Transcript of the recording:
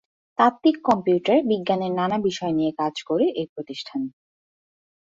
তাত্ত্বিক কম্পিউটার বিজ্ঞানের নানা বিষয় নিয়ে কাজ করে এ প্রতিষ্ঠান।